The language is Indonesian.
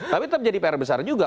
tapi tetap jadi pr besar juga